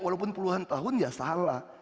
walaupun puluhan tahun ya salah